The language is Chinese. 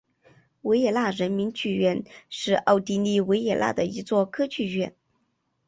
维也纳人民剧院是奥地利维也纳的一座歌剧院。